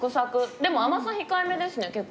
でも甘さ控えめですね結構。